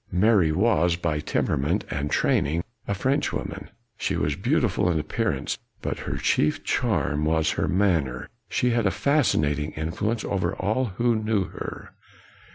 Mary was by temperament and train ing a French woman. She was beautiful in appearance, but her chief charm was in her manner. She had a fascinating influence over all who knew her.